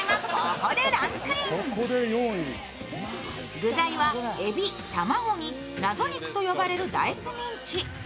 具材はえび、卵に謎肉と呼ばれるダイスミンチ。